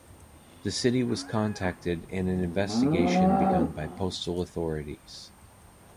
The City was contacted and an investigation begun by postal authorities.